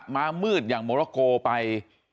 มามืดอย่างมอโรโกไป๓๐